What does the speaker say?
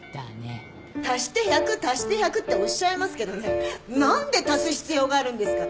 足して１００足して１００っておっしゃいますけどね何で足す必要があるんですか？